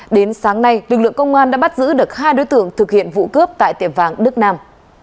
đến sáng nay lực lượng công an đã bắt giữ được hai đối tượng thực hiện vụ cướp tại tiệm vàng đức nam